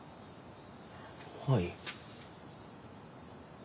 はい。